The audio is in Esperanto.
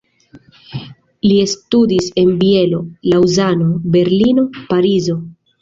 Li studis en Bielo, Laŭzano, Berlino, Parizo.